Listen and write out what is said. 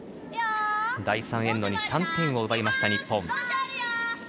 第３エンドに３点を奪った日本。